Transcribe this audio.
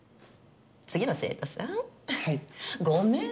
次の生徒さん？